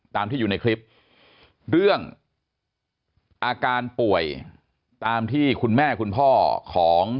ตามที่อยู่ในคลิปเรื่องอาการป่วยตามที่คุณแม่คุณพ่อของ